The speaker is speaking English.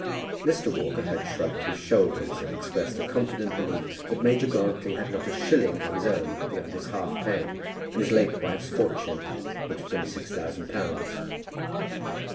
Mr. Walker had shrugged his shoulders and expressed a confident belief that Major Grantly had not a shilling of his own beyond his half pay and his late wife's fortune, which was only six thousand pounds.